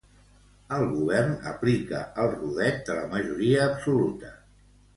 El govern aplica el rodet de la majoria absoluta.